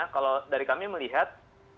kalau dari kami melihat